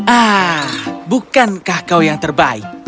ah bukankah kau yang terbaik